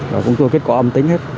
và cũng có kết quả âm tính hết